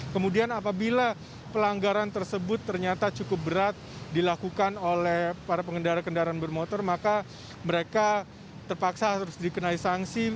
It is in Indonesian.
kemudian apabila pelanggaran tersebut ternyata cukup berat dilakukan oleh para pengendara kendaraan bermotor maka mereka terpaksa harus dikenai sanksi